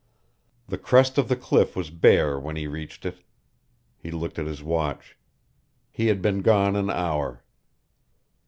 The crest of the cliff was bare when he reached it. He looked at his watch. He had been gone an hour.